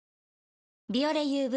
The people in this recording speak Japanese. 「ビオレＵＶ」